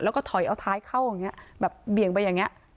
แล้วถอยเอาท้ายเข้าแบบเบียงไปอย่างนี้